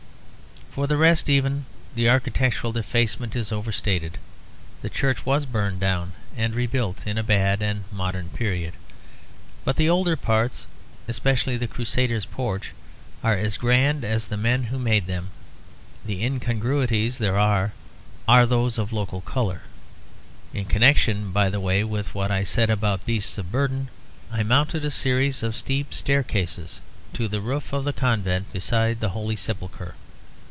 For the rest, even the architectural defacement is overstated, the church was burned down and rebuilt in a bad and modern period; but the older parts, especially the Crusaders' porch, are as grand as the men who made them. The incongruities there are, are those of local colour. In connection, by the way, with what I said about beasts of burden, I mounted a series of steep staircases to the roof of the convent beside the Holy Sepulchre.